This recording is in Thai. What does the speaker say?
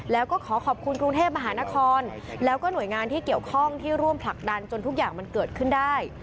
แล้วก็ขอขอบคุณกรุงเทพมหานครแล้วก็หน่วยงานที่เกี่ยวข้องที่ร่วมผลักดันจนทุกอย่างมันเกิดขึ้นได้